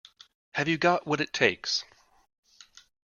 Have you got what it takes?